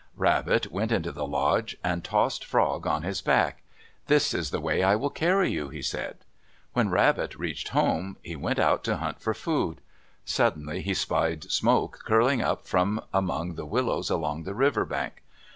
Rabbit went into the lodge and tossed Frog on his back. "This is the way I will carry you," he said. When Rabbit reached home, he went out to hunt for food. Suddenly he spied smoke curling up from among the willows along the river bank.